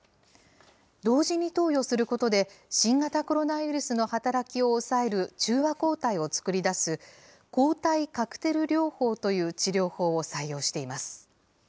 同時に投与することで、新型コロナウイルスの働きを抑える中和抗体を作り出す、抗体カクテル療法という治療法を採用しています。